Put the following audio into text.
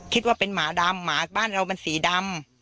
คิดว่าเป็นหมาดำหมาบ้านเรามันสีดำ